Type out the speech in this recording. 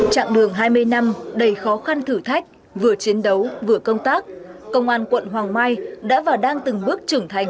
trạng đường hai mươi năm đầy khó khăn thử thách vừa chiến đấu vừa công tác công an quận hoàng mai đã và đang từng bước trưởng thành